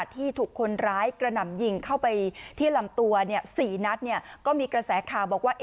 ที่ถูกคนร้ายกระหน่ำยิงเข้าไปที่ลำตัว๔นัดก็มีกระแสข่าวบอกว่า